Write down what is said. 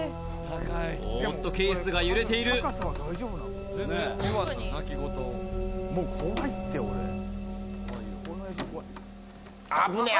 おっとケースが揺れている危ねえ